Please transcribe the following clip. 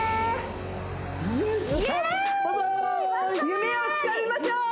夢をつかみましょう！